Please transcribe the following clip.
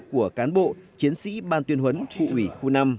của cán bộ chiến sĩ ban tuyên huấn phụ ủy khu năm